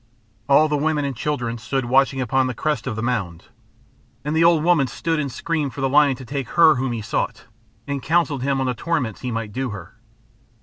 All the women and children stood watching upon the crest of the mound. And the old woman stood and screamed for the lion to take her whom he sought, and counselled him on the torments he might do her.